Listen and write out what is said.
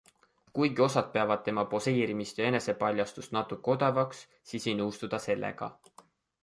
Kuigi osad peavad tema poseerimist ja enesepaljastust natuke odavaks, siis ei nõustu ta sellega.